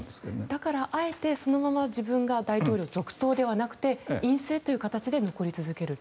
だから、あえてそのまま自分が大統領続投ではなくて院政という形で残り続ける。